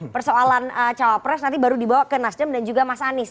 persoalan cawapres nanti baru dibawa ke nasdem dan juga mas anies